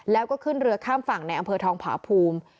แล้วก็ขึ้นเรือข้ามฝั่งในอำเภอทองผาภูมิ